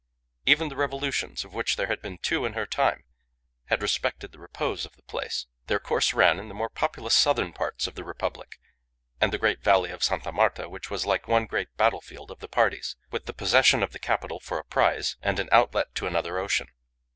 Even the revolutions, of which there had been two in her time, had respected the repose of the place. Their course ran in the more populous southern parts of the Republic, and the great valley of Sta. Marta, which was like one great battlefield of the parties, with the possession of the capital for a prize and an outlet to another ocean.